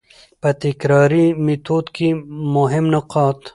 په تکراري ميتود کي مهم نقاط: